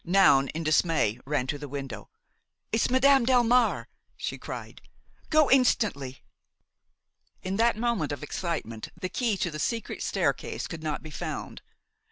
Noun, in dismay, ran to the window. "It's Madame Delmare!" she cried; "go instantly!" In that moment of excitement the key to the secret staircase could not be found.